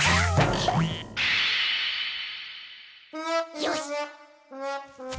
よし！